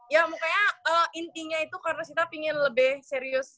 ya mukanya intinya itu karena sita pingin lebih serius